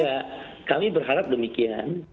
ya kami berharap demikian